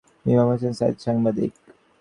ইমাম হোসেন সাঈদ সাংবাদিক।